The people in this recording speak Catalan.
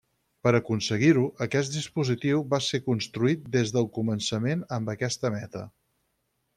Per aconseguir-ho, aquest dispositiu va ser construït des del començament amb aquesta meta.